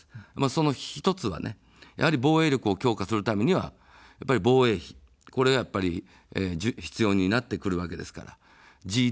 その１つは、防衛力を強化するためには防衛費、これがやっぱり必要になってくるわけですから。